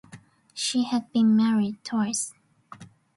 She had been married twice.